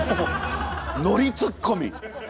ノリツッコミ！